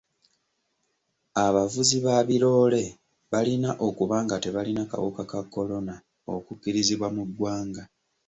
Abavuzi ba biroole balina okuba nga tebalina kawuka ka kolona okukkirizibwa mu ggwanga.